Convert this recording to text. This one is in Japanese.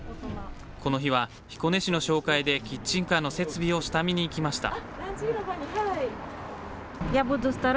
この日は彦根市の紹介でキッチンカーの設備を下見に行きました。